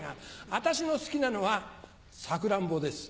私の好きなのはサクランボです。